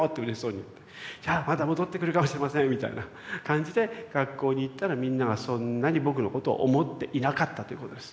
「じゃあまた戻ってくるかもしれません」みたいな感じで学校に行ったらみんながそんなに僕のことを思っていなかったということです。